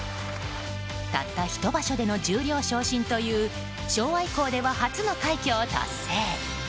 たった１場所での十両昇進という昭和以降では初の快挙を達成。